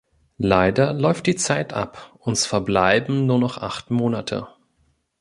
Leider läuft die Zeit ab uns verbleiben nur noch acht Monate.